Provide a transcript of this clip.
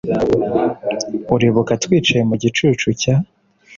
Uribuka twicaye mu gicucu cya